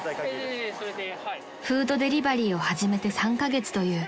［フードデリバリーを始めて３カ月という］